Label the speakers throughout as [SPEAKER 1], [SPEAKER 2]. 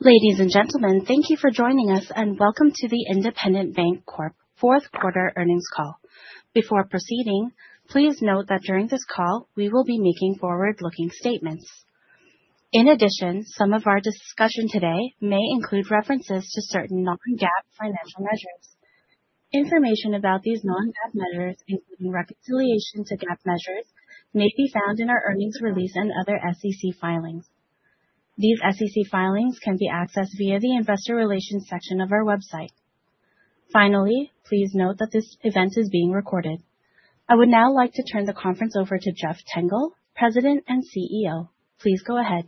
[SPEAKER 1] Ladies and gentlemen, thank you for joining us, and welcome to the Independent Bank Corp Fourth Quarter Earnings Call. Before proceeding, please note that during this call we will be making forward-looking statements. In addition, some of our discussion today may include references to certain non-GAAP financial measures. Information about these non-GAAP measures, including reconciliation to GAAP measures, may be found in our earnings release and other SEC filings. These SEC filings can be accessed via the Investor Relations section of our website. Finally, please note that this event is being recorded. I would now like to turn the conference over to Jeff Tengel, President and CEO. Please go ahead.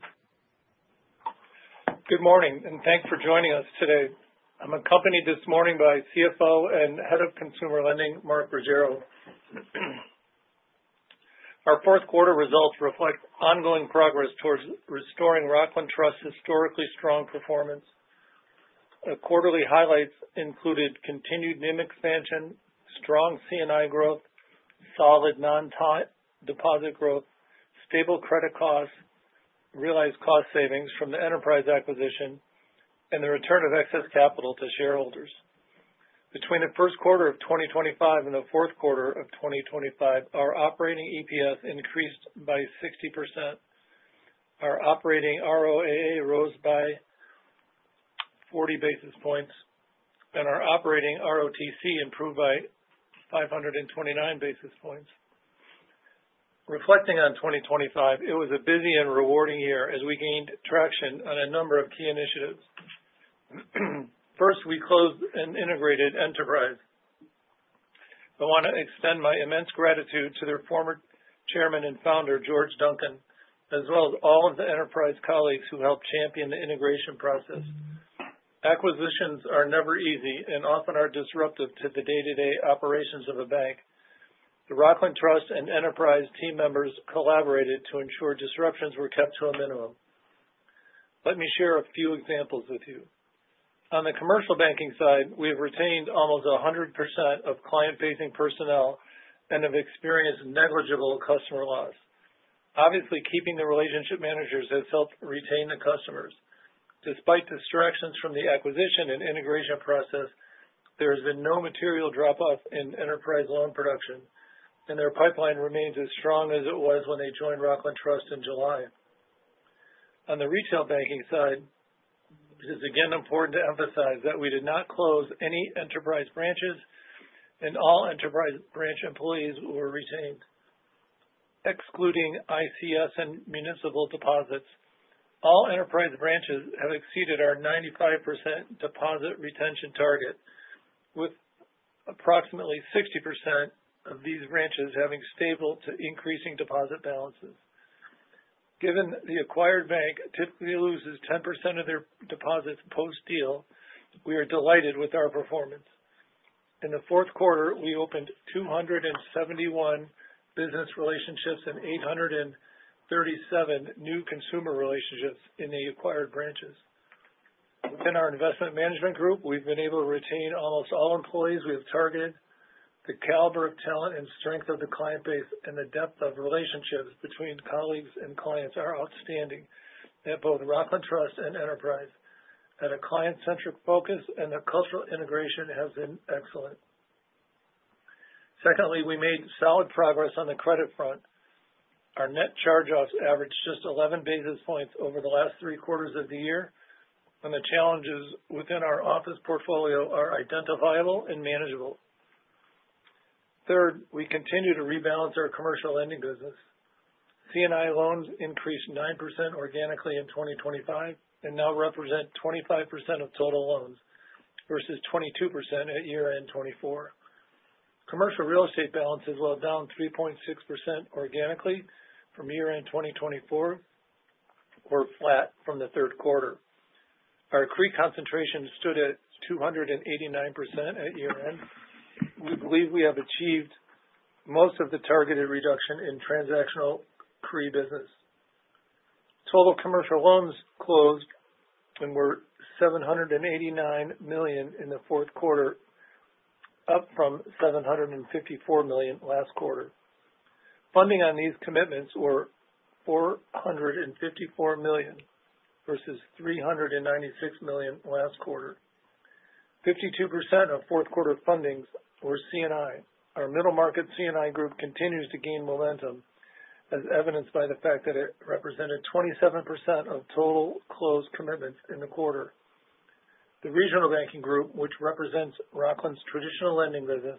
[SPEAKER 2] Good morning, and thanks for joining us today. I'm accompanied this morning by CFO and Head of Consumer Lending, Mark Ruggiero. Our fourth quarter results reflect ongoing progress towards restoring Rockland Trust's historically strong performance. The quarterly highlights included continued NIM expansion, strong C&I growth, solid non-deposit growth, stable credit costs, realized cost savings from the Enterprise acquisition, and the return of excess capital to shareholders. Between the first quarter of 2025 and the fourth quarter of 2025, our operating EPS increased by 60%, our operating ROAA rose by 40 basis points, and our operating ROTC improved by 529 basis points. Reflecting on 2025, it was a busy and rewarding year as we gained traction on a number of key initiatives. First, we closed and integrated Enterprise. I want to extend my immense gratitude to their former chairman and founder, George Duncan, as well as all of the Enterprise colleagues who helped champion the integration process. Acquisitions are never easy and often are disruptive to the day-to-day operations of a bank. The Rockland Trust and Enterprise team members collaborated to ensure disruptions were kept to a minimum. Let me share a few examples with you. On the commercial banking side, we have retained almost 100% of client-facing personnel and have experienced negligible customer loss. Obviously, keeping the relationship managers has helped retain the customers. Despite distractions from the acquisition and integration process, there has been no material drop-off in Enterprise loan production, and their pipeline remains as strong as it was when they joined Rockland Trust in July. On the retail banking side, it is again important to emphasize that we did not close any Enterprise branches, and all Enterprise branch employees were retained, excluding ICS and municipal deposits. All Enterprise branches have exceeded our 95% deposit retention target, with approximately 60% of these branches having stable to increasing deposit balances. Given the acquired bank typically loses 10% of their deposits post-deal, we are delighted with our performance. In the fourth quarter, we opened 271 business relationships and 837 new consumer relationships in the acquired branches. Within our Investment Management Group, we've been able to retain almost all employees we have targeted. The caliber of talent and strength of the client base and the depth of relationships between colleagues and clients are outstanding at both Rockland Trust and Enterprise. That client-centric focus and the cultural integration have been excellent. Secondly, we made solid progress on the credit front. Our net charge-offs averaged just 11 basis points over the last three quarters of the year, and the challenges within our office portfolio are identifiable and manageable. Third, we continue to rebalance our commercial lending business. C&I loans increased 9% organically in 2025 and now represent 25% of total loans versus 22% at year-end 2024. Commercial real estate balance is well down 3.6% organically from year-end 2024 or flat from the third quarter. Our CRE concentration stood at 289% at year-end. We believe we have achieved most of the targeted reduction in transactional CRE business. Total commercial loans closed and were $789 million in the fourth quarter, up from $754 million last quarter. Funding on these commitments was $454 million versus $396 million last quarter. 52% of fourth quarter fundings were C&I. Our middle market C&I group continues to gain momentum, as evidenced by the fact that it represented 27% of total closed commitments in the quarter. The regional banking group, which represents Rockland's traditional lending business,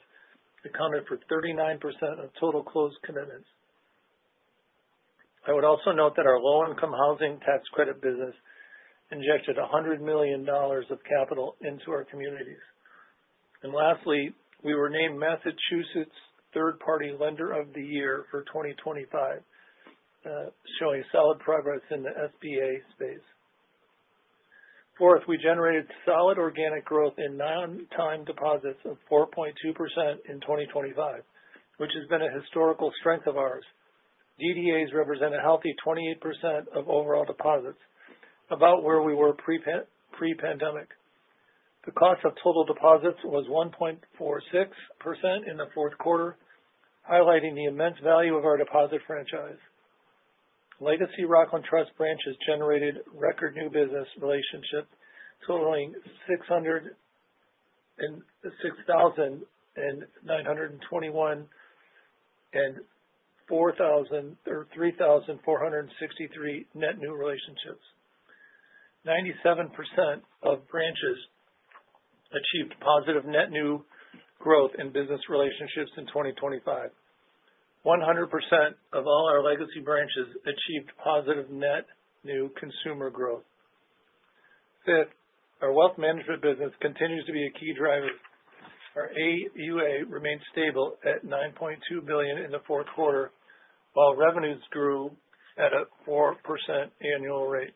[SPEAKER 2] accounted for 39% of total closed commitments. I would also note that our low-income housing tax credit business injected $100 million of capital into our communities. And lastly, we were named Massachusetts' Third Party Lender of the Year for 2025, showing solid progress in the SBA space. Fourth, we generated solid organic growth in non-time deposits of 4.2% in 2025, which has been a historical strength of ours. DDAs represent a healthy 28% of overall deposits, about where we were pre-pandemic. The cost of total deposits was 1.46% in the fourth quarter, highlighting the immense value of our deposit franchise. Legacy Rockland Trust branches generated record new business relationships, totaling 6,921 and 3,463 net new relationships. 97% of branches achieved positive net new growth in business relationships in 2025. 100% of all our legacy branches achieved positive net new consumer growth. Fifth, our wealth management business continues to be a key driver. Our AUA remained stable at $9.2 billion in the fourth quarter, while revenues grew at a 4% annual rate.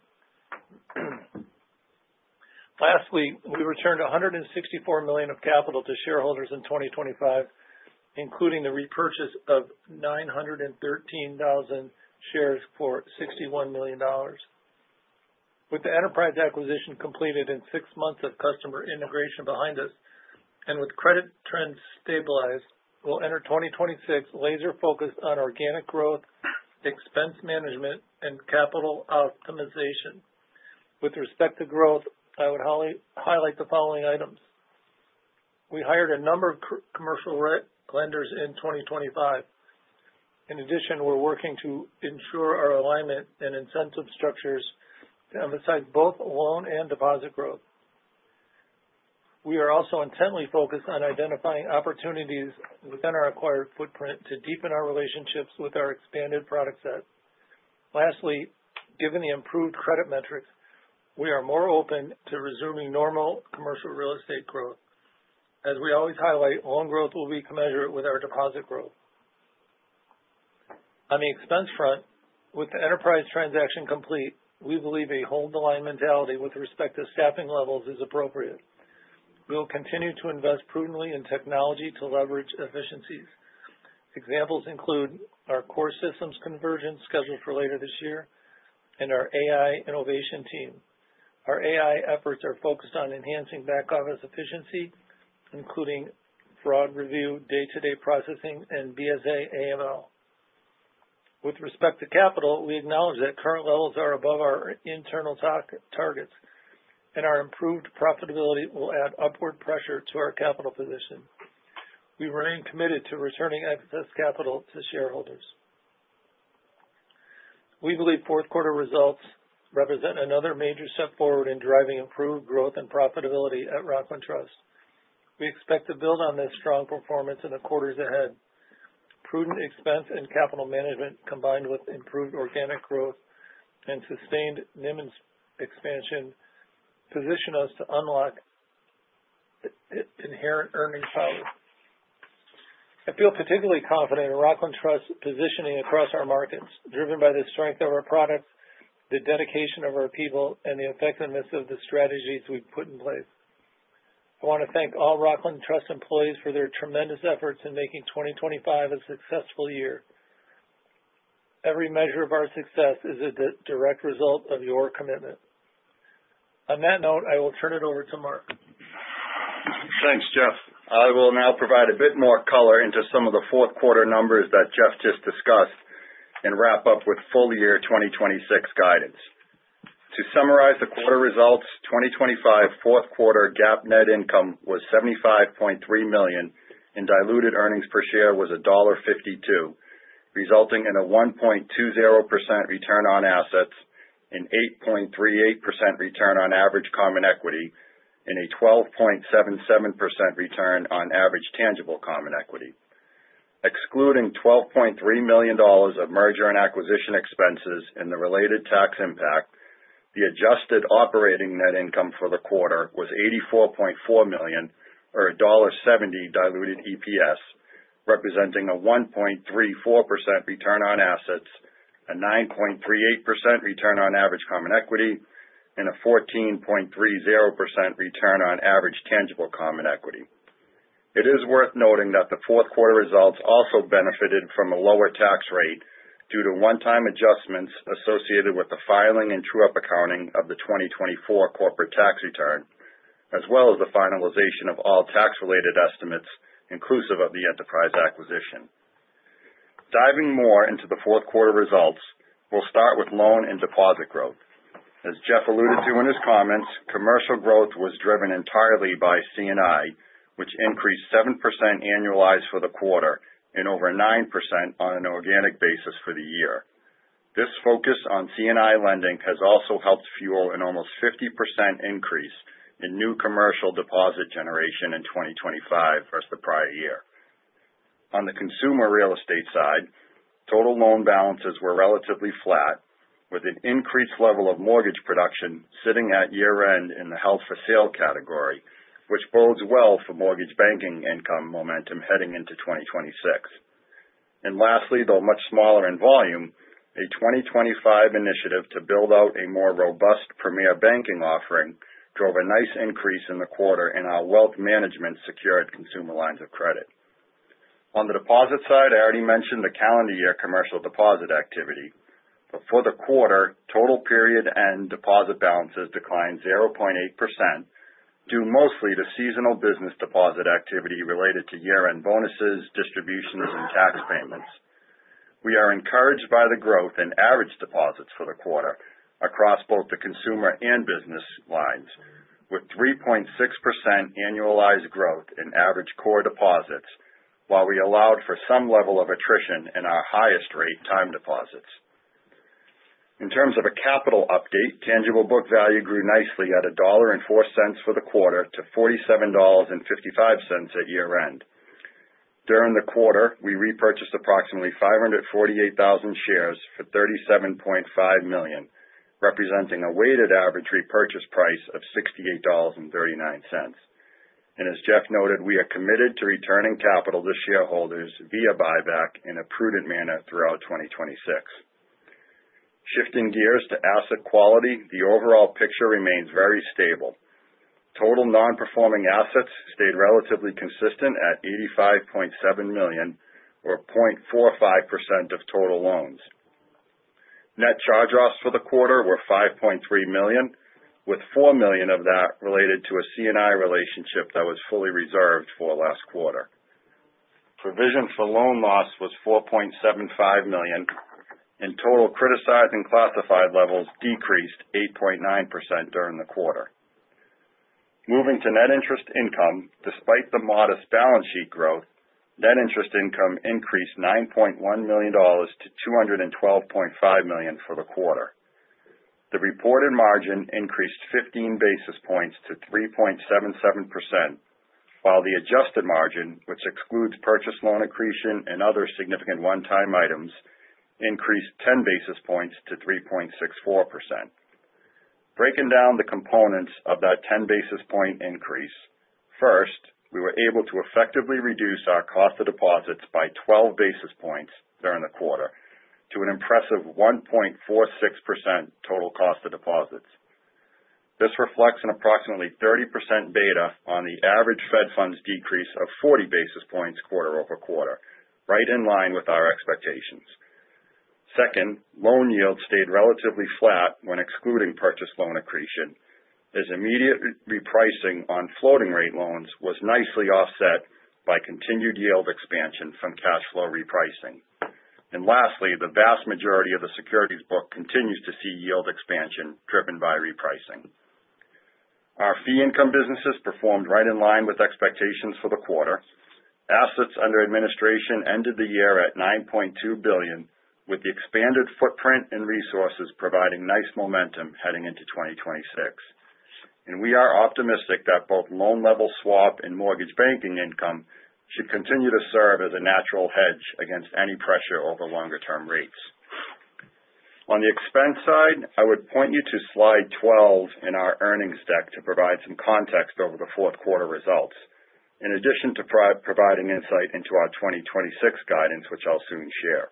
[SPEAKER 2] Lastly, we returned $164 million of capital to shareholders in 2025, including the repurchase of 913,000 shares for $61 million. With the Enterprise acquisition completed and six months of customer integration behind us, and with credit trends stabilized, we'll enter 2026 laser-focused on organic growth, expense management, and capital optimization. With respect to growth, I would highlight the following items. We hired a number of commercial lenders in 2025. In addition, we're working to ensure our alignment and incentive structures to emphasize both loan and deposit growth. We are also intently focused on identifying opportunities within our acquired footprint to deepen our relationships with our expanded product set. Lastly, given the improved credit metrics, we are more open to resuming normal commercial real estate growth. As we always highlight, loan growth will be commensurate with our deposit growth. On the expense front, with the Enterprise transaction complete, we believe a hold-the-line mentality with respect to staffing levels is appropriate. We'll continue to invest prudently in technology to leverage efficiencies. Examples include our core systems conversion scheduled for later this year and our AI innovation team. Our AI efforts are focused on enhancing back-office efficiency, including fraud review, day-to-day processing, and BSA AML. With respect to capital, we acknowledge that current levels are above our internal targets, and our improved profitability will add upward pressure to our capital position. We remain committed to returning excess capital to shareholders. We believe fourth quarter results represent another major step forward in driving improved growth and profitability at Rockland Trust. We expect to build on this strong performance in the quarters ahead. Prudent expense and capital management, combined with improved organic growth and sustained NIM expansion, position us to unlock inherent earning power. I feel particularly confident in Rockland Trust's positioning across our markets, driven by the strength of our products, the dedication of our people, and the effectiveness of the strategies we've put in place. I want to thank all Rockland Trust employees for their tremendous efforts in making 2025 a successful year. Every measure of our success is a direct result of your commitment. On that note, I will turn it over to Mark.
[SPEAKER 3] Thanks, Jeff. I will now provide a bit more color into some of the fourth quarter numbers that Jeff just discussed and wrap up with full year 2026 guidance. To summarize the quarter results, 2025 fourth quarter GAAP net income was $75.3 million, and diluted earnings per share was $1.52, resulting in a 1.20% return on assets, an 8.38% return on average common equity, and a 12.77% return on average tangible common equity. Excluding $12.3 million of merger and acquisition expenses and the related tax impact, the adjusted operating net income for the quarter was $84.4 million, or $1.70 diluted EPS, representing a 1.34% return on assets, a 9.38% return on average common equity, and a 14.30% return on average tangible common equity. It is worth noting that the fourth quarter results also benefited from a lower tax rate due to one-time adjustments associated with the filing and true-up accounting of the 2024 corporate tax return, as well as the finalization of all tax-related estimates, inclusive of the Enterprise acquisition. Diving more into the fourth quarter results, we'll start with loan and deposit growth. As Jeff alluded to in his comments, commercial growth was driven entirely by C&I, which increased 7% annualized for the quarter and over 9% on an organic basis for the year. This focus on C&I lending has also helped fuel an almost 50% increase in new commercial deposit generation in 2025 versus the prior year. On the consumer real estate side, total loan balances were relatively flat, with an increased level of mortgage production sitting at year-end in the held for sale category, which bodes well for mortgage banking income momentum heading into 2026. Lastly, though much smaller in volume, a 2025 initiative to build out a more robust premier banking offering drove a nice increase in the quarter in our wealth management secured consumer lines of credit. On the deposit side, I already mentioned the calendar year commercial deposit activity. But for the quarter, total period-end deposit balances declined 0.8%, due mostly to seasonal business deposit activity related to year-end bonuses, distributions, and tax payments. We are encouraged by the growth in average deposits for the quarter across both the consumer and business lines, with 3.6% annualized growth in average core deposits, while we allowed for some level of attrition in our highest rate time deposits. In terms of a capital update, tangible book value grew nicely at $1.04 for the quarter to $47.55 at year-end. During the quarter, we repurchased approximately 548,000 shares for $37.5 million, representing a weighted average repurchase price of $68.39. As Jeff noted, we are committed to returning capital to shareholders via buyback in a prudent manner throughout 2026. Shifting gears to asset quality, the overall picture remains very stable. Total non-performing assets stayed relatively consistent at $85.7 million, or 0.45% of total loans. Net charge-offs for the quarter were $5.3 million, with $4 million of that related to a C&I relationship that was fully reserved for last quarter. Provision for loan loss was $4.75 million, and total criticized and classified levels decreased 8.9% during the quarter. Moving to net interest income, despite the modest balance sheet growth, net interest income increased $9.1 million to $212.5 million for the quarter. The reported margin increased 15 basis points to 3.77%, while the adjusted margin, which excludes purchase loan accretion and other significant one-time items, increased 10 basis points to 3.64%. Breaking down the components of that 10 basis point increase, first, we were able to effectively reduce our cost of deposits by 12 basis points during the quarter to an impressive 1.46% total cost of deposits. This reflects an approximately 30% beta on the average Fed funds decrease of 40 basis points quarter-over-quarter, right in line with our expectations. Second, loan yields stayed relatively flat when excluding purchase loan accretion. This immediate repricing on floating rate loans was nicely offset by continued yield expansion from cash flow repricing. Lastly, the vast majority of the securities book continues to see yield expansion driven by repricing. Our fee income businesses performed right in line with expectations for the quarter. Assets under administration ended the year at $9.2 billion, with the expanded footprint and resources providing nice momentum heading into 2026. We are optimistic that both loan level swap and mortgage banking income should continue to serve as a natural hedge against any pressure over longer-term rates. On the expense side, I would point you to slide 12 in our earnings deck to provide some context over the fourth quarter results, in addition to providing insight into our 2026 guidance, which I'll soon share.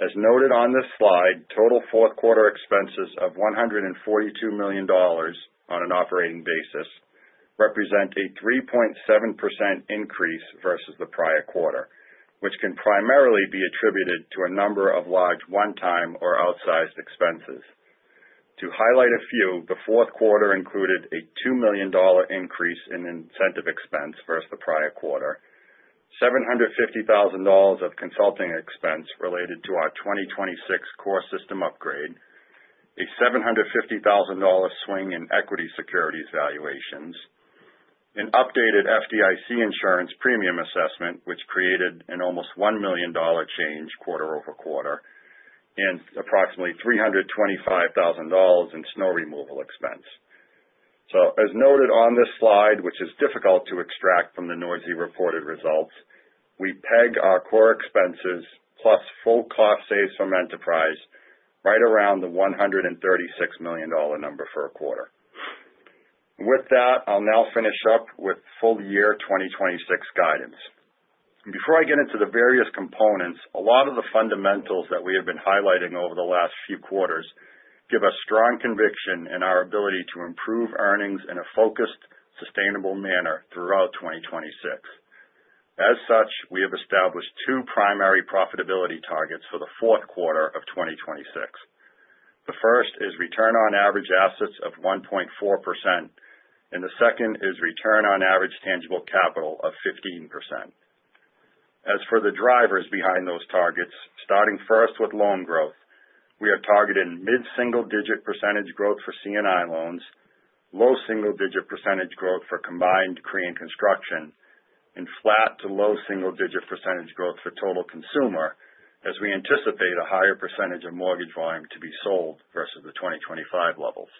[SPEAKER 3] As noted on this slide, total fourth quarter expenses of $142 million on an operating basis represent a 3.7% increase versus the prior quarter, which can primarily be attributed to a number of large one-time or outsized expenses. To highlight a few, the fourth quarter included a $2 million increase in incentive expense versus the prior quarter, $750,000 of consulting expense related to our 2026 core system upgrade, a $750,000 swing in equity securities valuations, an updated FDIC insurance premium assessment, which created an almost $1 million change quarter-over-quarter, and approximately $325,000 in snow removal expense. So, as noted on this slide, which is difficult to extract from the noisy reported results, we peg our core expenses plus full cost saves from Enterprise right around the $136 million number for a quarter. With that, I'll now finish up with full year 2026 guidance. Before I get into the various components, a lot of the fundamentals that we have been highlighting over the last few quarters give us strong conviction in our ability to improve earnings in a focused, sustainable manner throughout 2026. As such, we have established two primary profitability targets for the fourth quarter of 2026. The first is return on average assets of 1.4%, and the second is return on average tangible capital of 15%. As for the drivers behind those targets, starting first with loan growth, we are targeting mid-single-digit percentage growth for C&I loans, low single-digit percentage growth for combined CRE and construction, and flat to low single-digit percentage growth for total consumer, as we anticipate a higher percentage of mortgage volume to be sold versus the 2025 levels.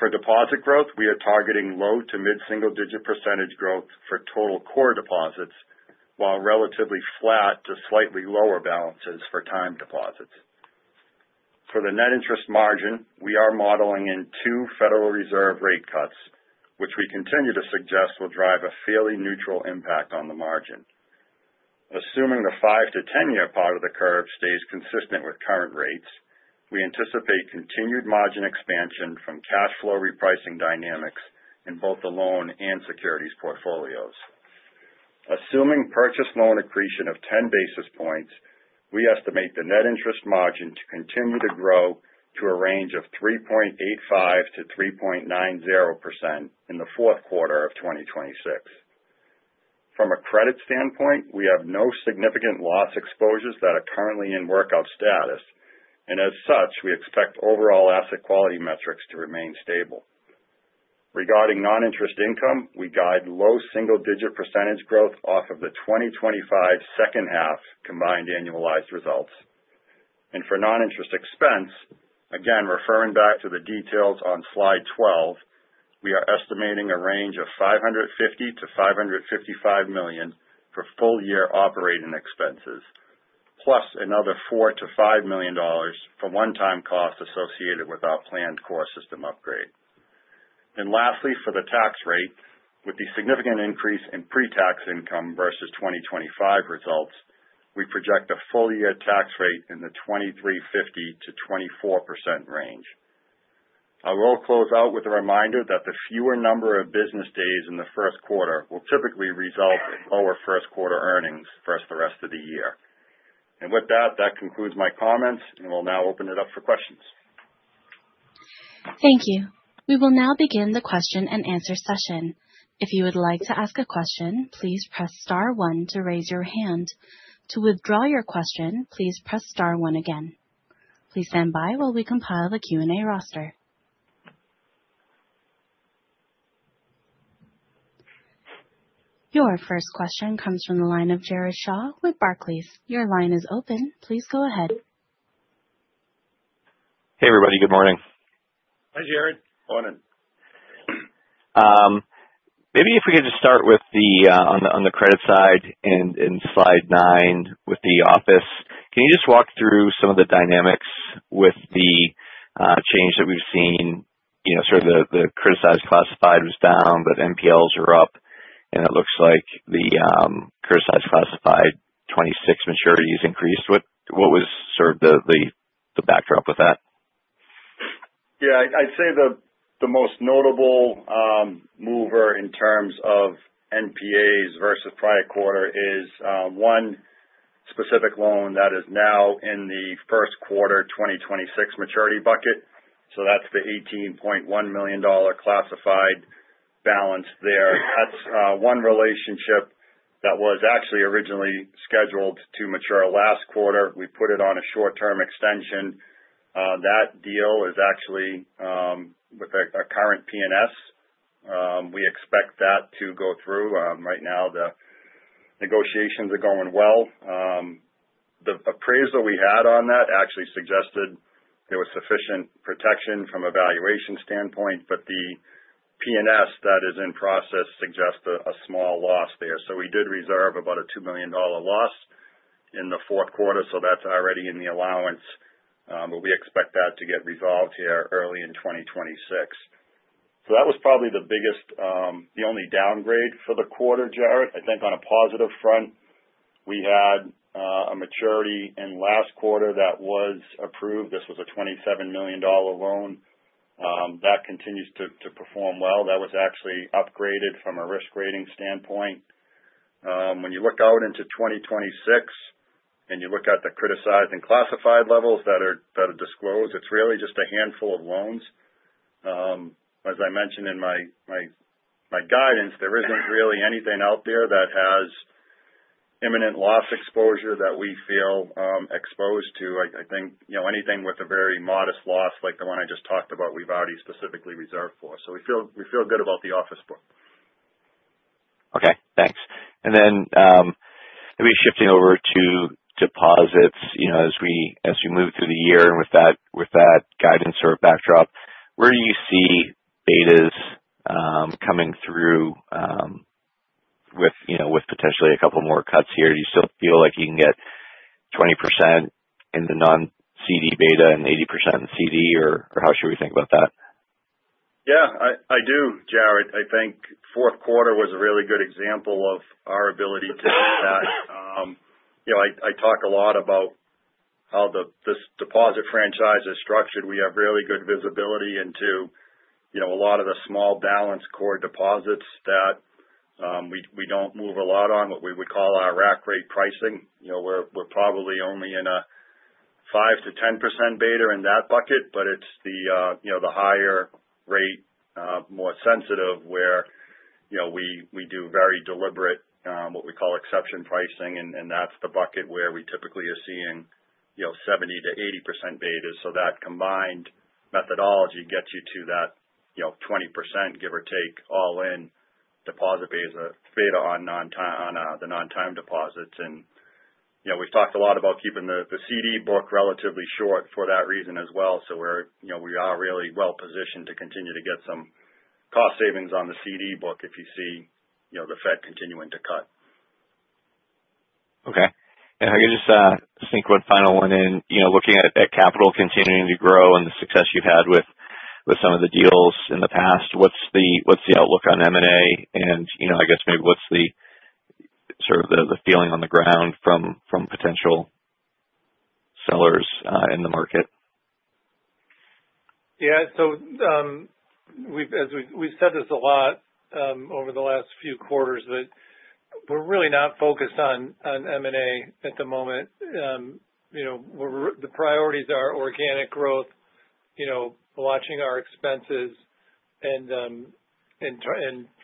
[SPEAKER 3] For deposit growth, we are targeting low- to mid-single-digit percentage growth for total core deposits, while relatively flat to slightly lower balances for time deposits. For the net interest margin, we are modeling in 2 Federal Reserve rate cuts, which we continue to suggest will drive a fairly neutral impact on the margin. Assuming the 5- to 10-year part of the curve stays consistent with current rates, we anticipate continued margin expansion from cash flow repricing dynamics in both the loan and securities portfolios. Assuming purchase loan accretion of 10 basis points, we estimate the net interest margin to continue to grow to a range of 3.85%-3.90% in the fourth quarter of 2026. From a credit standpoint, we have no significant loss exposures that are currently in workout status, and as such, we expect overall asset quality metrics to remain stable. Regarding non-interest income, we guide low single-digit percentage growth off of the 2025 second half combined annualized results. For non-interest expense, again, referring back to the details on slide 12, we are estimating a range of $550 million-$555 million for full year operating expenses, plus another $4 million-$5 million for one-time costs associated with our planned core system upgrade. Lastly, for the tax rate, with the significant increase in pre-tax income versus 2025 results, we project a full year tax rate in the 23.50%-24% range. I will close out with a reminder that the fewer number of business days in the first quarter will typically result in lower first quarter earnings versus the rest of the year. With that, that concludes my comments, and we'll now open it up for questions.
[SPEAKER 1] Thank you. We will now begin the question-and-answer session. If you would like to ask a question, please press star one to raise your hand. To withdraw your question, please press star one again. Please stand by while we compile the Q&A roster. Your first question comes from the line of Jared Shaw with Barclays. Your line is open. Please go ahead.
[SPEAKER 4] Hey, everybody. Good morning.
[SPEAKER 3] Hi, Jared. Morning.
[SPEAKER 4] Maybe if we could just start with the on the credit side and slide nine with the office. Can you just walk through some of the dynamics with the change that we've seen? Sort of the criticized classified was down, but NPLs are up, and it looks like the criticized classified 26 maturities increased. What was sort of the backdrop with that?
[SPEAKER 3] Yeah. I'd say the most notable mover in terms of NPAs versus prior quarter is one specific loan that is now in the first quarter 2026 maturity bucket. So that's the $18.1 million classified balance there. That's one relationship that was actually originally scheduled to mature last quarter. We put it on a short-term extension. That deal is actually with our current P&S. We expect that to go through. Right now, the negotiations are going well. The appraisal we had on that actually suggested there was sufficient protection from a valuation standpoint, but the P&S that is in process suggests a small loss there. So we did reserve about a $2 million loss in the fourth quarter, so that's already in the allowance, but we expect that to get resolved here early in 2026. So that was probably the biggest, the only downgrade for the quarter, Jared. I think on a positive front, we had a maturity in last quarter that was approved. This was a $27 million loan. That continues to perform well. That was actually upgraded from a risk rating standpoint. When you look out into 2026 and you look at the criticized and classified levels that are disclosed, it's really just a handful of loans. As I mentioned in my guidance, there isn't really anything out there that has imminent loss exposure that we feel exposed to. I think anything with a very modest loss, like the one I just talked about, we've already specifically reserved for. So we feel good about the office book.
[SPEAKER 4] Okay. Thanks. And then maybe shifting over to deposits as we move through the year and with that guidance or backdrop, where do you see betas coming through with potentially a couple more cuts here? Do you still feel like you can get 20% in the non-CD beta and 80% in CD, or how should we think about that?
[SPEAKER 3] Yeah. I do, Jared. I think fourth quarter was a really good example of our ability to do that. I talk a lot about how this deposit franchise is structured. We have really good visibility into a lot of the small balance core deposits that we don't move a lot on, what we would call our rack rate pricing. We're probably only in a 5%-10% beta in that bucket, but it's the higher rate, more sensitive, where we do very deliberate what we call exception pricing, and that's the bucket where we typically are seeing 70%-80% betas. So that combined methodology gets you to that 20%, give or take, all-in deposit beta on the non-time deposits. And we've talked a lot about keeping the CD book relatively short for that reason as well. We are really well positioned to continue to get some cost savings on the CD book if you see the Fed continuing to cut.
[SPEAKER 4] Okay. And I guess just to sink one final one in, looking at capital continuing to grow and the success you've had with some of the deals in the past, what's the outlook on M&A? And I guess maybe what's sort of the feeling on the ground from potential sellers in the market?
[SPEAKER 2] Yeah. So we've said this a lot over the last few quarters, but we're really not focused on M&A at the moment. The priorities are organic growth, watching our expenses, and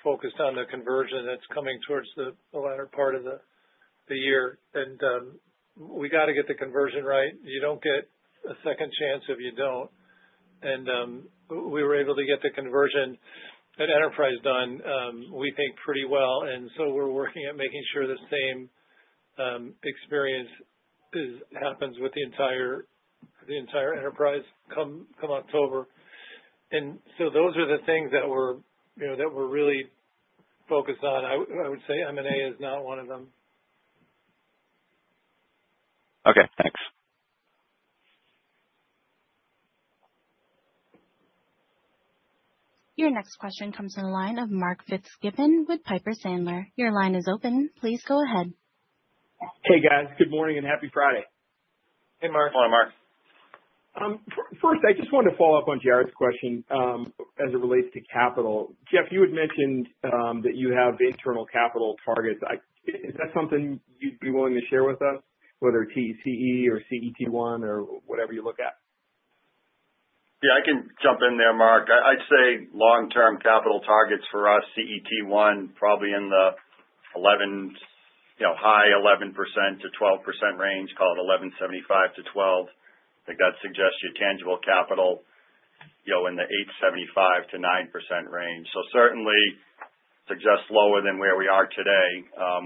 [SPEAKER 2] focused on the conversion that's coming towards the latter part of the year. And we got to get the conversion right. You don't get a second chance if you don't. And we were able to get the conversion at Enterprise done, we think, pretty well. And so we're working at making sure the same experience happens with the entire Enterprise come October. And so those are the things that we're really focused on. I would say M&A is not one of them.
[SPEAKER 4] Okay. Thanks.
[SPEAKER 1] Your next question comes in the line of Mark Fitzgibbon with Piper Sandler. Your line is open. Please go ahead.
[SPEAKER 5] Hey, guys. Good morning and happy Friday.
[SPEAKER 3] Hey, Mark.
[SPEAKER 2] Morning, Mark.
[SPEAKER 5] First, I just wanted to follow up on Jared's question as it relates to capital. Jeff, you had mentioned that you have internal capital targets. Is that something you'd be willing to share with us, whether TCE or CET1 or whatever you look at?
[SPEAKER 3] Yeah. I can jump in there, Mark. I'd say long-term capital targets for us, CET1, probably in the high 11%-12% range, call it 11.75%-12%. I think that suggests your tangible capital in the 8.75%-9% range. So certainly, suggests lower than where we are today,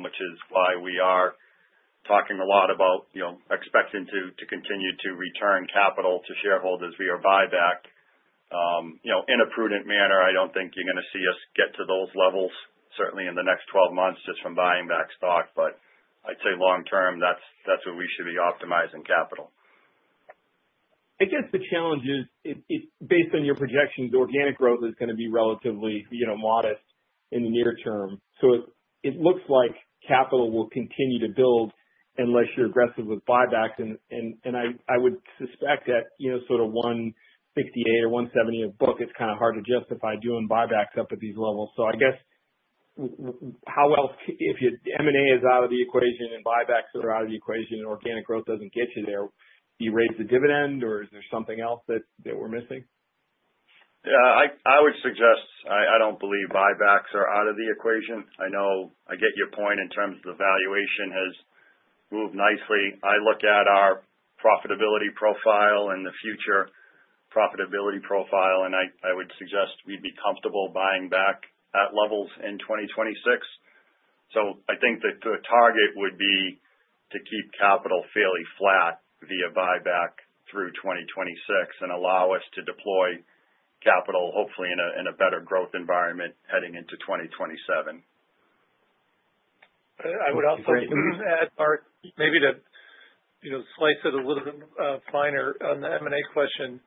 [SPEAKER 3] which is why we are talking a lot about expecting to continue to return capital to shareholders via buyback in a prudent manner. I don't think you're going to see us get to those levels, certainly in the next 12 months, just from buying back stock. But I'd say long-term, that's where we should be optimizing capital.
[SPEAKER 5] I guess the challenge is, based on your projections, the organic growth is going to be relatively modest in the near term. So it looks like capital will continue to build unless you're aggressive with buybacks. And I would suspect that sort of $168 or $170 a book is kind of hard to justify doing buybacks up at these levels. So I guess how else if M&A is out of the equation and buybacks are out of the equation and organic growth doesn't get you there, do you raise the dividend, or is there something else that we're missing?
[SPEAKER 3] Yeah. I would suggest, I don't believe buybacks are out of the equation. I know, I get your point in terms of the valuation has moved nicely. I look at our profitability profile and the future profitability profile, and I would suggest we'd be comfortable buying back at levels in 2026. So I think that the target would be to keep capital fairly flat via buyback through 2026 and allow us to deploy capital, hopefully in a better growth environment heading into 2027.
[SPEAKER 2] I would also add, Mark, maybe to slice it a little bit finer on the M&A question.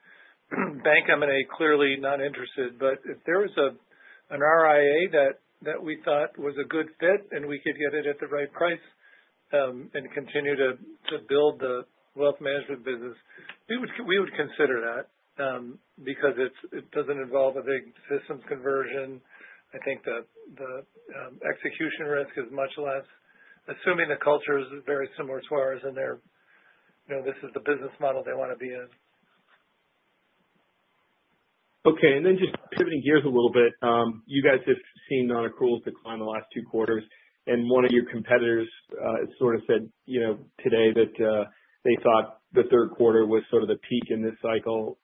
[SPEAKER 2] Bank M&A, clearly not interested, but if there was an RIA that we thought was a good fit and we could get it at the right price and continue to build the wealth management business, we would consider that because it doesn't involve a big systems conversion. I think the execution risk is much less, assuming the culture is very similar to ours and this is the business model they want to be in.
[SPEAKER 5] Okay. And then just pivoting gears a little bit, you guys have seen non-accruals decline the last two quarters. And one of your competitors sort of said today that they thought the third quarter was sort of the peak in this cycle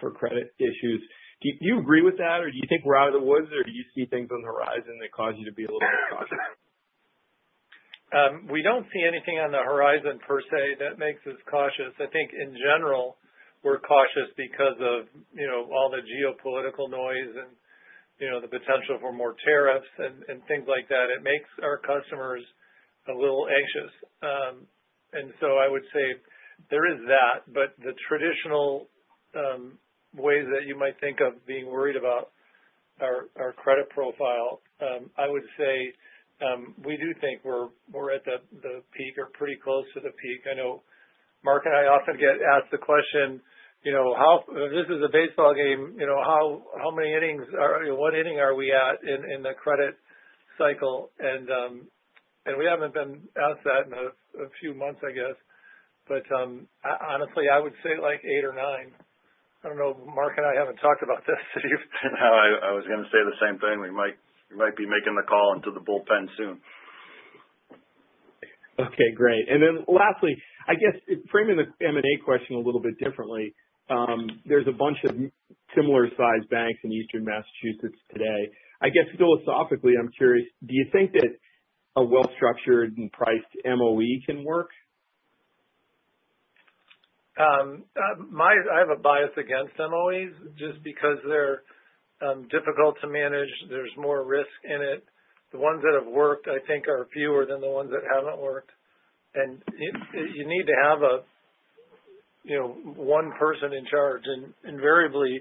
[SPEAKER 5] for credit issues. Do you agree with that, or do you think we're out of the woods, or do you see things on the horizon that cause you to be a little bit cautious?
[SPEAKER 2] We don't see anything on the horizon per se that makes us cautious. I think in general, we're cautious because of all the geopolitical noise and the potential for more tariffs and things like that. It makes our customers a little anxious. And so I would say there is that, but the traditional ways that you might think of being worried about our credit profile, I would say we do think we're at the peak or pretty close to the peak. I know Mark and I often get asked the question, "This is a baseball game. How many innings are what inning are we at in the credit cycle?" And we haven't been asked that in a few months, I guess. But honestly, I would say like 8 or 9. I don't know. Mark and I haven't talked about this.
[SPEAKER 3] I was going to say the same thing. We might be making the call into the bullpen soon.
[SPEAKER 5] Okay. Great. And then lastly, I guess framing the M&A question a little bit differently, there's a bunch of similar-sized banks in Eastern Massachusetts today. I guess philosophically, I'm curious, do you think that a well-structured and priced MOE can work?
[SPEAKER 2] I have a bias against MOEs just because they're difficult to manage. There's more risk in it. The ones that have worked, I think, are fewer than the ones that haven't worked. You need to have one person in charge. Invariably,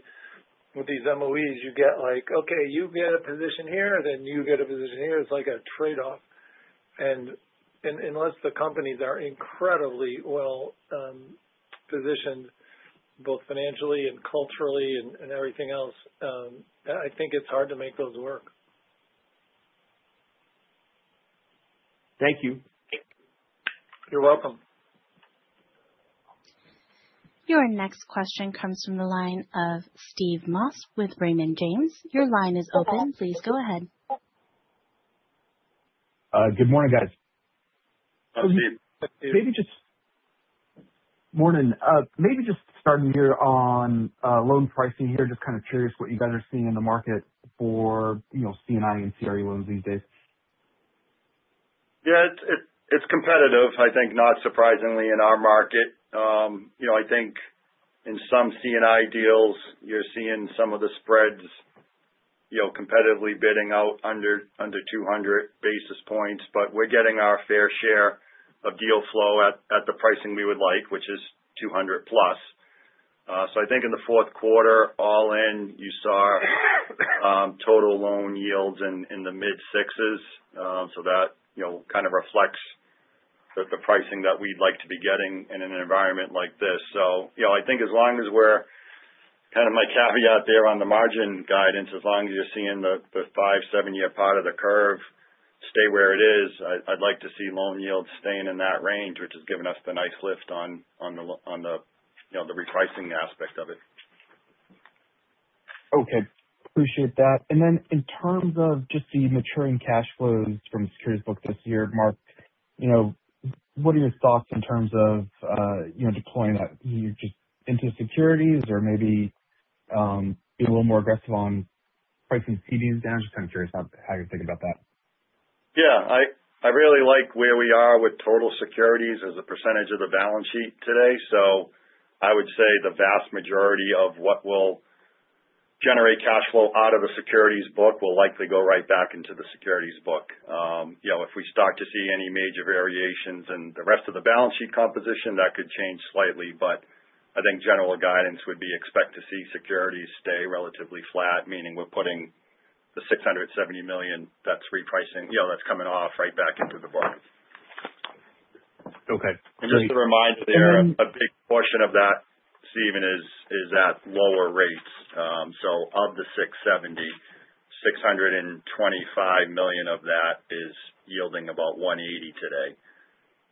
[SPEAKER 2] with these MOEs, you get like, "Okay. You get a position here, then you get a position here." It's like a trade-off. Unless the companies are incredibly well-positioned, both financially and culturally and everything else, I think it's hard to make those work.
[SPEAKER 5] Thank you.
[SPEAKER 2] You're welcome.
[SPEAKER 1] Your next question comes from the line of Steve Moss with Raymond James. Your line is open. Please go ahead.
[SPEAKER 6] Good morning, guys.
[SPEAKER 2] Good morning.
[SPEAKER 6] Maybe just starting here on loan pricing here, just kind of curious what you guys are seeing in the market for C&I and CRE loans these days?
[SPEAKER 3] Yeah. It's competitive, I think, not surprisingly in our market. I think in some C&I deals, you're seeing some of the spreads competitively bidding out under 200 basis points, but we're getting our fair share of deal flow at the pricing we would like, which is 200 plus. So I think in the fourth quarter, all in, you saw total loan yields in the mid-sixes. So that kind of reflects the pricing that we'd like to be getting in an environment like this. So I think as long as we're kind of my caveat there on the margin guidance, as long as you're seeing the 5-7-year part of the curve stay where it is, I'd like to see loan yields staying in that range, which has given us the nice lift on the repricing aspect of it.
[SPEAKER 6] Okay. Appreciate that. And then in terms of just the maturing cash flows from securities book this year, Mark, what are your thoughts in terms of deploying that just into securities or maybe being a little more aggressive on pricing CDs down? Just kind of curious how you think about that.
[SPEAKER 3] Yeah. I really like where we are with total securities as a percentage of the balance sheet today. So I would say the vast majority of what will generate cash flow out of the securities book will likely go right back into the securities book. If we start to see any major variations in the rest of the balance sheet composition, that could change slightly. But I think general guidance would be expect to see securities stay relatively flat, meaning we're putting the $670 million that's repricing, that's coming off right back into the book.
[SPEAKER 6] Okay.
[SPEAKER 3] Just a reminder there, a big portion of that, Stephen, is at lower rates. Of the $670 million, $625 million of that is yielding about 1.80% today.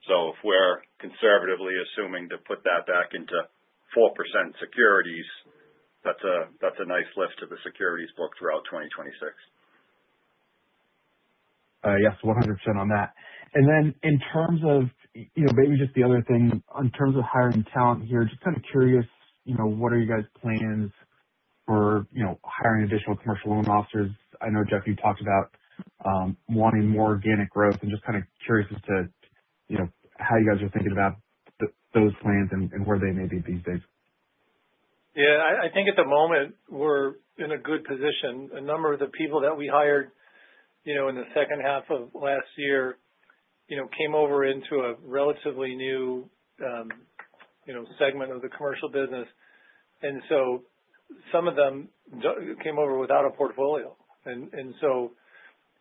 [SPEAKER 3] If we're conservatively assuming to put that back into 4% securities, that's a nice lift to the securities book throughout 2026.
[SPEAKER 6] Yes. 100% on that. Then in terms of maybe just the other thing, in terms of hiring talent here, just kind of curious, what are you guys' plans for hiring additional commercial loan officers? I know, Jeff, you talked about wanting more organic growth and just kind of curious as to how you guys are thinking about those plans and where they may be these days.
[SPEAKER 2] Yeah. I think at the moment, we're in a good position. A number of the people that we hired in the second half of last year came over into a relatively new segment of the commercial business. And so some of them came over without a portfolio. And so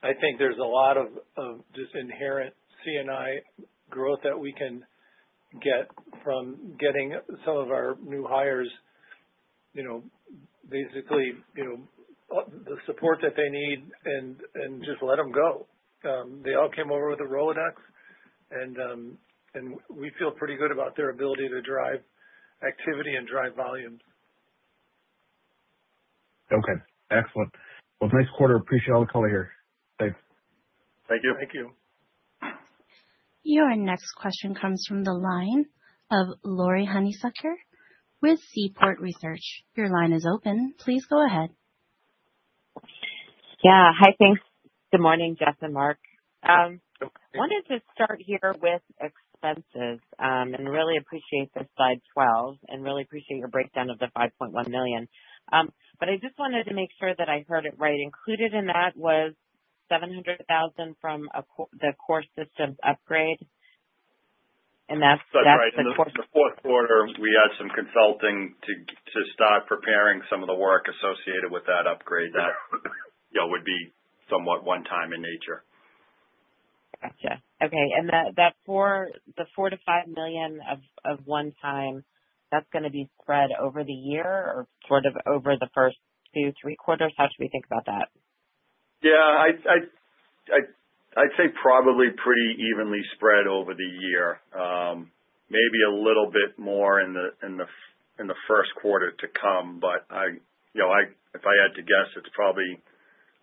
[SPEAKER 2] I think there's a lot of just inherent C&I growth that we can get from getting some of our new hires basically the support that they need and just let them go. They all came over with a Rolodex, and we feel pretty good about their ability to drive activity and drive volumes.
[SPEAKER 6] Okay. Excellent. Well, nice quarter. Appreciate all the color here. Thanks.
[SPEAKER 3] Thank you.
[SPEAKER 2] Thank you.
[SPEAKER 1] Your next question comes from the line of Laurie Hunsicker with Seaport Research. Your line is open. Please go ahead.
[SPEAKER 7] Yeah. Hi, thanks. Good morning, Jeff and Mark. I wanted to start here with expenses and really appreciate the slide 12 and really appreciate your breakdown of the $5.1 million. But I just wanted to make sure that I heard it right. Included in that was $700,000 from the core systems upgrade. And that's the core system.
[SPEAKER 3] That's right. In the fourth quarter, we had some consulting to start preparing some of the work associated with that upgrade that would be somewhat one-time in nature.
[SPEAKER 7] Gotcha. Okay. And the $4 million-$5 million of one-time, that's going to be spread over the year or sort of over the first 2, 3 quarters? How should we think about that?
[SPEAKER 3] Yeah. I'd say probably pretty evenly spread over the year. Maybe a little bit more in the first quarter to come. But if I had to guess, it's probably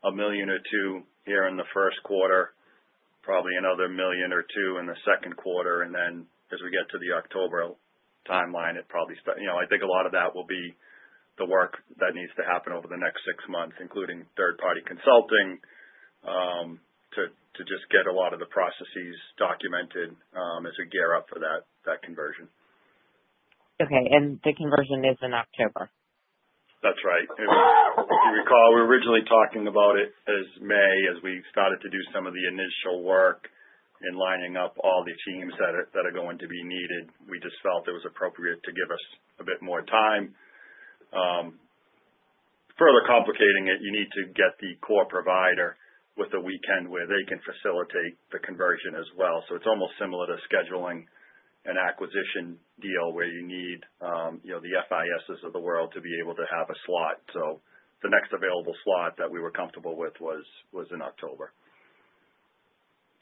[SPEAKER 3] $1 million-$2 million here in the first quarter, probably another $1 million-$2 million in the second quarter. And then as we get to the October timeline, it probably I think a lot of that will be the work that needs to happen over the next six months, including third-party consulting to just get a lot of the processes documented as we gear up for that conversion.
[SPEAKER 7] Okay. The conversion is in October?
[SPEAKER 3] That's right. If you recall, we were originally talking about it as May as we started to do some of the initial work in lining up all the teams that are going to be needed. We just felt it was appropriate to give us a bit more time. Further complicating it, you need to get the core provider with a weekend where they can facilitate the conversion as well. So it's almost similar to scheduling an acquisition deal where you need the FISs of the world to be able to have a slot. So the next available slot that we were comfortable with was in October.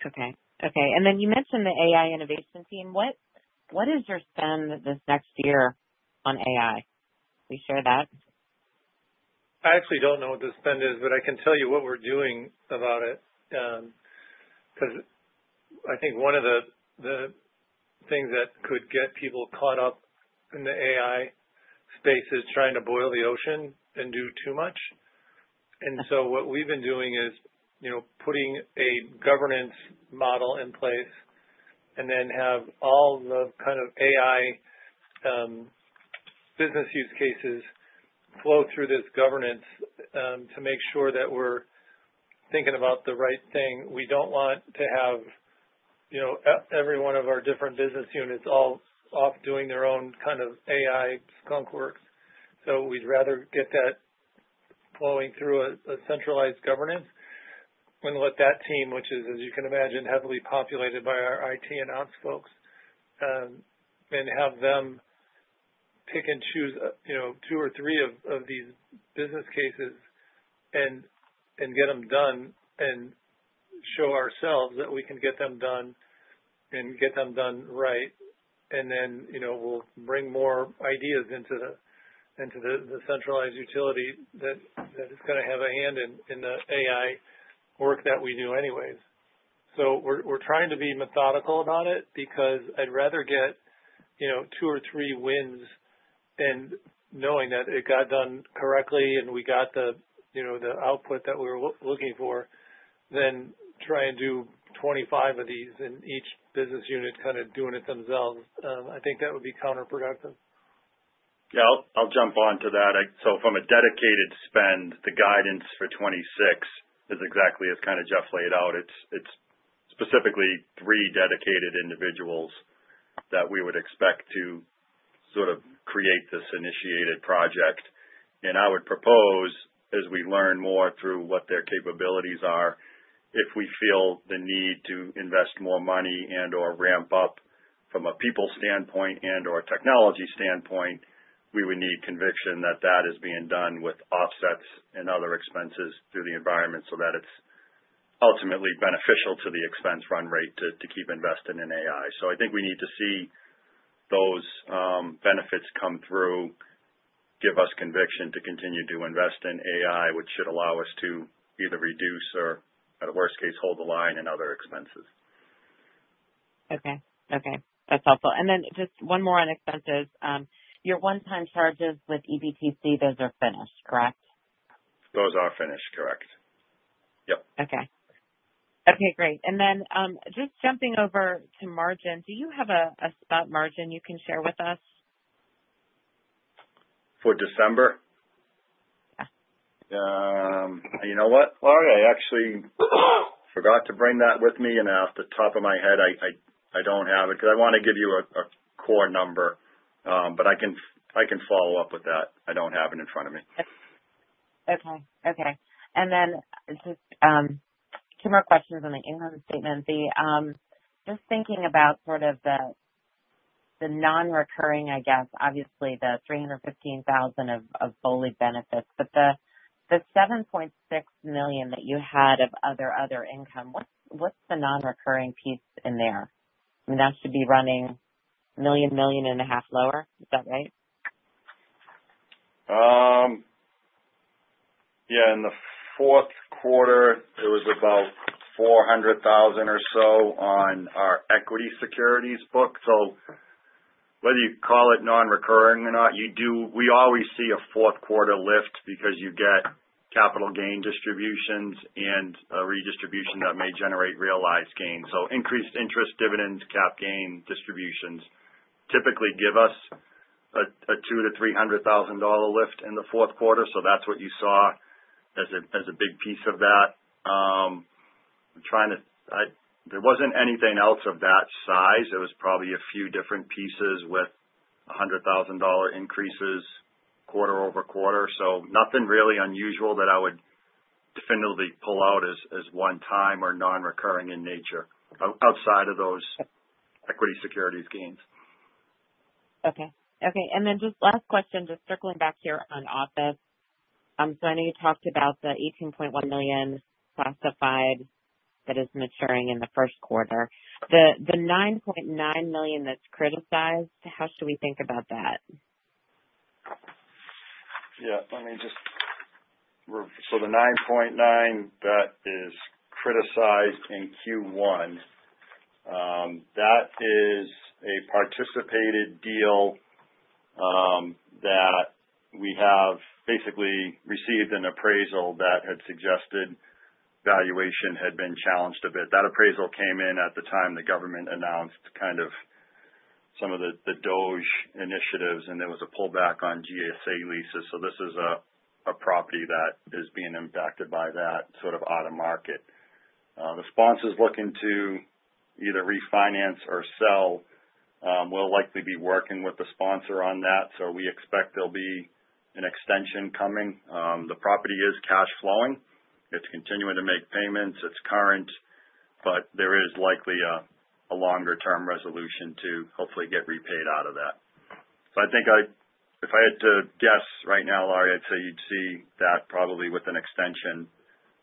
[SPEAKER 7] Okay. Okay. And then you mentioned the AI innovation team. What is your spend this next year on AI? Will you share that?
[SPEAKER 2] I actually don't know what the spend is, but I can tell you what we're doing about it because I think one of the things that could get people caught up in the AI space is trying to boil the ocean and do too much. And so what we've been doing is putting a governance model in place and then have all the kind of AI business use cases flow through this governance to make sure that we're thinking about the right thing. We don't want to have every one of our different business units all off doing their own kind of AI skunk work. We'd rather get that flowing through a centralized governance and let that team, which is, as you can imagine, heavily populated by our IT and ops folks, and have them pick and choose two or three of these business cases and get them done and show ourselves that we can get them done and get them done right. Then we'll bring more ideas into the centralized utility that is going to have a hand in the AI work that we do anyways. We're trying to be methodical about it because I'd rather get two or three wins, knowing that it got done correctly and we got the output that we were looking for, than try and do 25 of these in each business unit kind of doing it themselves. I think that would be counterproductive.
[SPEAKER 3] Yeah. I'll jump on to that. So from a dedicated spend, the guidance for 2026 is exactly as kind of Jeff laid out. It's specifically three dedicated individuals that we would expect to sort of create this initiated project. And I would propose, as we learn more through what their capabilities are, if we feel the need to invest more money and/or ramp up from a people standpoint and/or technology standpoint, we would need conviction that that is being done with offsets and other expenses through the environment so that it's ultimately beneficial to the expense run rate to keep investing in AI. So I think we need to see those benefits come through, give us conviction to continue to invest in AI, which should allow us to either reduce or, at a worst case, hold the line in other expenses.
[SPEAKER 7] Okay. Okay. That's helpful. And then just one more on expenses. Your one-time charges with EBTC, those are finished, correct?
[SPEAKER 3] Those are finished, correct. Yep.
[SPEAKER 7] Okay. Okay. Great. And then just jumping over to margin, do you have a spot margin you can share with us?
[SPEAKER 3] For December?
[SPEAKER 7] Yeah.
[SPEAKER 3] You know what, Laurie? I actually forgot to bring that with me. Off the top of my head, I don't have it because I want to give you a core number, but I can follow up with that. I don't have it in front of me.
[SPEAKER 7] Okay. Okay. And then just two more questions on the income statement. Just thinking about sort of the non-recurring, I guess, obviously the $315,000 of BOLI benefits, but the $7.6 million that you had of other income, what's the non-recurring piece in there? I mean, that should be running $1 million-$1.5 million lower. Is that right?
[SPEAKER 3] Yeah. In the fourth quarter, it was about $400,000 or so on our equity securities book. So whether you call it non-recurring or not, we always see a fourth quarter lift because you get capital gain distributions and a redistribution that may generate realized gains. So increased interest, dividends, cap gain distributions typically give us a $200,000-$300,000 lift in the fourth quarter. So that's what you saw as a big piece of that. I'm trying to. There wasn't anything else of that size. It was probably a few different pieces with $100,000 increases quarter-over-quarter. So nothing really unusual that I would definitively pull out as one-time or non-recurring in nature outside of those equity securities gains.
[SPEAKER 7] Okay. Okay. And then just last question, just circling back here on office. So I know you talked about the $18.1 million classified that is maturing in the first quarter. The $9.9 million that's criticized, how should we think about that?
[SPEAKER 3] Yeah. Let me just, so the $9.9 million that is criticized in Q1, that is a participated deal that we have basically received an appraisal that had suggested valuation had been challenged a bit. That appraisal came in at the time the government announced kind of some of the DOGE initiatives, and there was a pullback on GSA leases. So this is a property that is being impacted by that sort of out-of-market. The sponsor's looking to either refinance or sell. We'll likely be working with the sponsor on that. So we expect there'll be an extension coming. The property is cash flowing. It's continuing to make payments. It's current, but there is likely a longer-term resolution to hopefully get repaid out of that. So I think if I had to guess right now, Laurie, I'd say you'd see that probably with an extension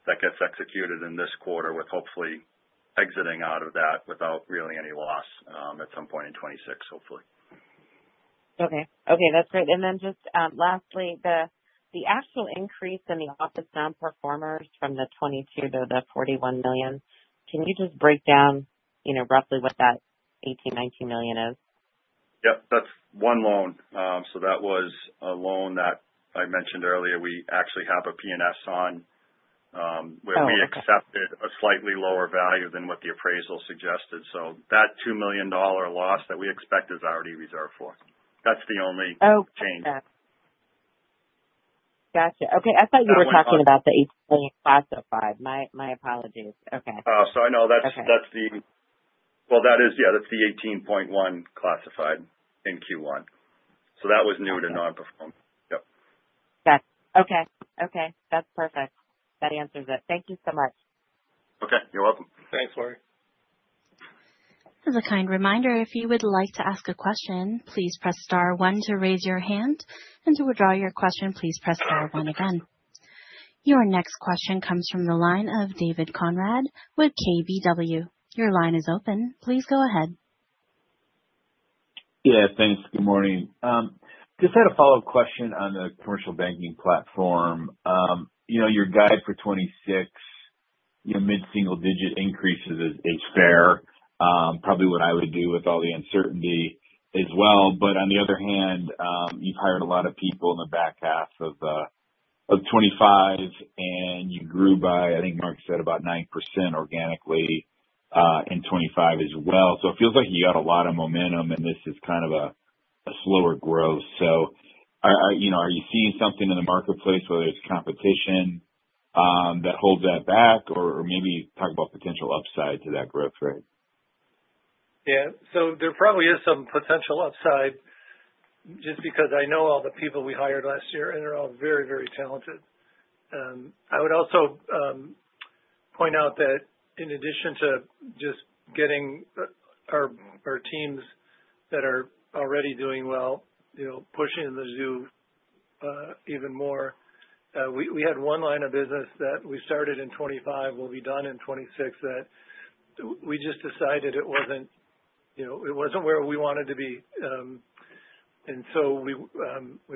[SPEAKER 3] that gets executed in this quarter with hopefully exiting out of that without really any loss at some point in 2026, hopefully.
[SPEAKER 7] Okay. Okay. That's great. And then just lastly, the actual increase in the office non-performers from the $22 million to the $41 million, can you just break down roughly what that $18 million-$19 million is?
[SPEAKER 3] Yep. That's one loan. So that was a loan that I mentioned earlier. We actually have a P&S on where we accepted a slightly lower value than what the appraisal suggested. So that $2 million loss that we expect is already reserved for. That's the only change.
[SPEAKER 7] Gotcha. Okay. I thought you were talking about the $18 million classified. My apologies. Okay.
[SPEAKER 3] I know that's the, well, yeah, that's the $18.1 million classified in Q1. So that was new to non-performing. Yep.
[SPEAKER 7] Gotcha. Okay. Okay. That's perfect. That answers it. Thank you so much.
[SPEAKER 3] Okay. You're welcome.
[SPEAKER 2] Thanks, Laurie.
[SPEAKER 1] This is a kind reminder. If you would like to ask a question, please press star one to raise your hand. To withdraw your question, please press star one again. Your next question comes from the line of David Konrad with KBW. Your line is open. Please go ahead.
[SPEAKER 8] Yeah. Thanks. Good morning. Just had a follow-up question on the commercial banking platform. Your guide for 2026, your mid-single-digit increases is fair, probably what I would do with all the uncertainty as well. But on the other hand, you've hired a lot of people in the back half of 2025, and you grew by, I think Mark said, about 9% organically in 2025 as well. So it feels like you got a lot of momentum, and this is kind of a slower growth. So are you seeing something in the marketplace, whether it's competition that holds that back, or maybe talk about potential upside to that growth rate?
[SPEAKER 2] Yeah. So there probably is some potential upside just because I know all the people we hired last year, and they're all very, very talented. I would also point out that in addition to just getting our teams that are already doing well, pushing those even more, we had one line of business that we started in 2025, will be done in 2026, that we just decided it wasn't where we wanted to be. And so we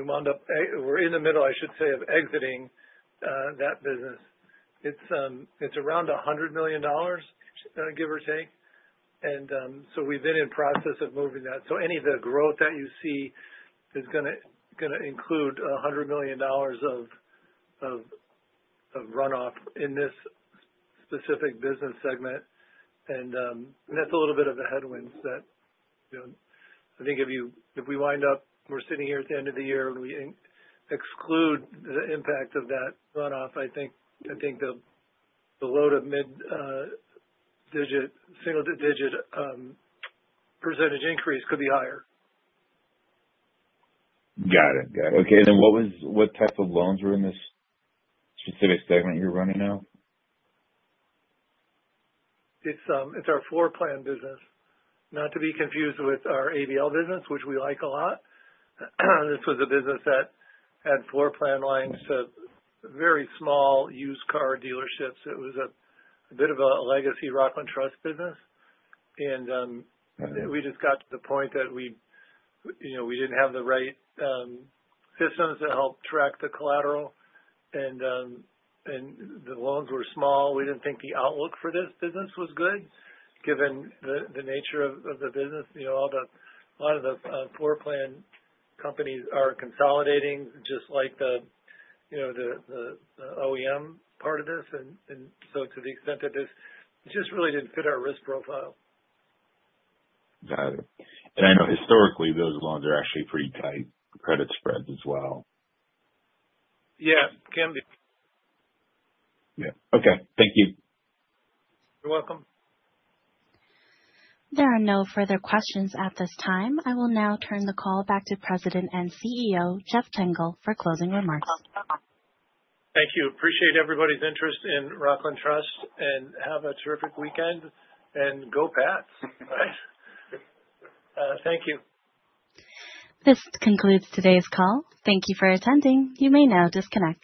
[SPEAKER 2] wound up, we're in the middle, I should say, of exiting that business. It's around $100 million, give or take. And so we've been in process of moving that. So any of the growth that you see is going to include $100 million of runoff in this specific business segment. That's a little bit of a headwind that I think if we wind up, we're sitting here at the end of the year, and we exclude the impact of that runoff, I think the low- to mid-single-digit percentage increase could be higher.
[SPEAKER 8] Got it. Got it. Okay. And then what type of loans are in this specific segment you're running now?
[SPEAKER 2] It's our floor plan business, not to be confused with our ABL business, which we like a lot. This was a business that had floor plan lines to very small used car dealerships. It was a bit of a legacy Rockland Trust business. We just got to the point that we didn't have the right systems to help track the collateral, and the loans were small. We didn't think the outlook for this business was good given the nature of the business. A lot of the floor plan companies are consolidating just like the OEM part of this. So to the extent that this just really didn't fit our risk profile.
[SPEAKER 8] Got it. I know historically, those loans are actually pretty tight credit spreads as well.
[SPEAKER 2] Yeah. Can be.
[SPEAKER 8] Yeah. Okay. Thank you.
[SPEAKER 2] You're welcome.
[SPEAKER 1] There are no further questions at this time. I will now turn the call back to President and CEO Jeff Tengel for closing remarks.
[SPEAKER 2] Thank you. Appreciate everybody's interest in Rockland Trust and have a terrific weekend and go Pats. Thank you.
[SPEAKER 1] This concludes today's call. Thank you for attending. You may now disconnect.